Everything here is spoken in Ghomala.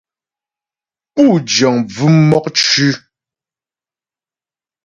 Pú jəŋ bvʉ̂m mɔkcʉ̌.